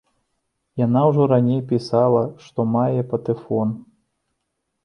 Яна ўжо раней пісала, што мае патэфон.